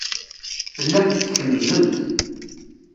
Tellamt tkemmzemt.